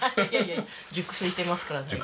熟睡してますからね。